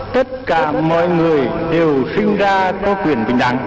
tất cả mọi người đều sinh ra vô quyền bình đẳng